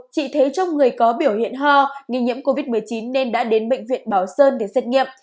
chị thế trong người có biểu hiện ho nghi nhiễm covid một mươi chín nên đã đến bệnh viện bảo sơn để xét nghiệm